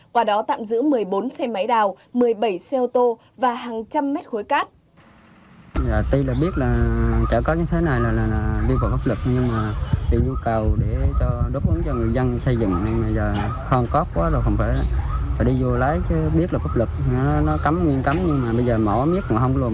qua đó tạm giữ một mươi bốn xe máy đào một mươi bảy xe ô tô và hàng trăm mét khối cát